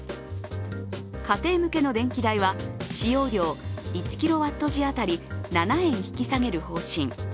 家庭向けの電気代は、使用量１ｋＷ時当たり７円引き下げる方針。